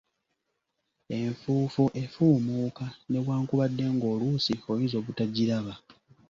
Enfuufu efumuuka, newankubadde ng'oluusi oyinza obutagiraba.